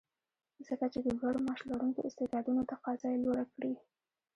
ځکه چې د لوړ معاش لرونکو استعدادونو تقاضا یې لوړه کړې